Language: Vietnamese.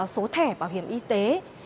số thẻ bảo hiểm y tế